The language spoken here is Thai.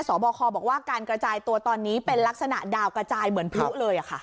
บคบอกว่าการกระจายตัวตอนนี้เป็นลักษณะดาวกระจายเหมือนพลุเลยค่ะ